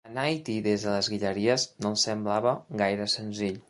Anar a Haití des de les Guilleries no els semblava gaire senzill.